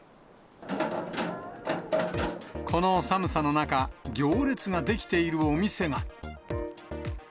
この寒さの中、行列が出来ているお店が。